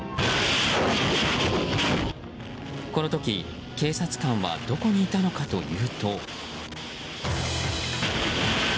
この時、警察官はどこにいたのかというと。